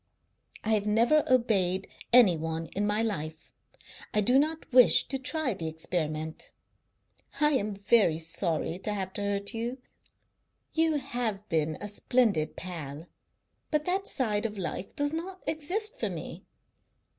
I have never obeyed any one in my life; I do not wish to try the experiment. I am very sorry to have hurt you. You've been a splendid pal, but that side of life does not exist for me.